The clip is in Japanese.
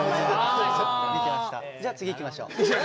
じゃあ次いきましょう。